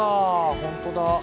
本当だ。